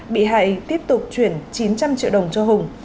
bị hại tiếp tục chuyển chín trăm linh triệu đồng